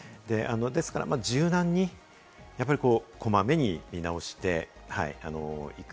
ですから柔軟に、こまめに見直していく。